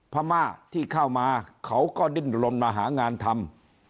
พม่าที่เข้ามาเขาก็ดิ้นลนมาหางานทำ